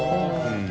うん。